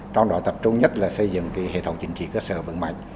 trong đó tập trung nhất là xây dựng hệ thống chính trị cơ sở vững mạnh